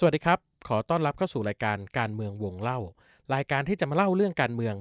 สวัสดีครับขอต้อนรับเข้าสู่รายการการเมืองวงเล่ารายการที่จะมาเล่าเรื่องการเมือง